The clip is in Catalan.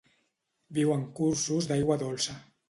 Viu en cursos d'aigua dolça.